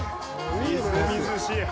みずみずしい。